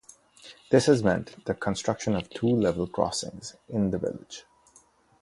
This has meant the construction of two level crossings in the village.